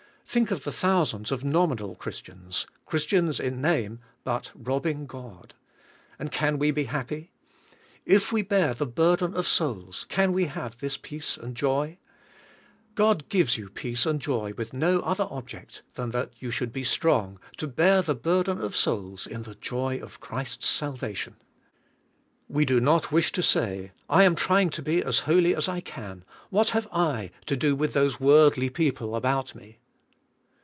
Think of the thou sands of nominal Christians — Christians in name, but robbing God! and can we be happy? If we bear the burden of souls, can we have this peace and joy? God gives 3'ou peace and joy with no other object than that you should be strong to bear the burden of souls in the jo} of Christ's salvation. We do not wish to say, "I am trying to be as holy as I can ; what have I to do with those worldly people about me?''